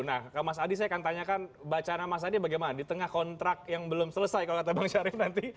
nah ke mas adi saya akan tanyakan bacaan mas adi bagaimana di tengah kontrak yang belum selesai kalau kata bang syarif nanti